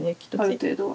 ある程度は。